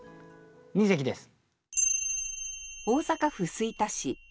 二席です。